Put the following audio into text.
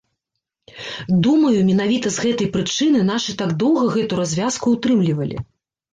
Думаю, менавіта з гэтай прычыны нашы так доўга гэту развязку ўтрымлівалі.